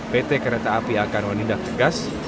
pt kereta api akan menindak tegas